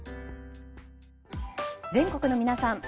全国の皆さん。